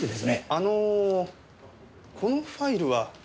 あのこのファイルは。